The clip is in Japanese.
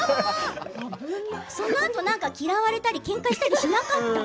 そのあと嫌われたりけんかしたりしなかった？